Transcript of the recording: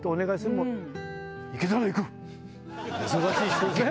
忙しい人ですもんね。